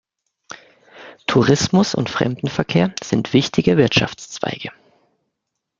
Tourismus und Fremdenverkehr sind wichtige Wirtschaftszweige.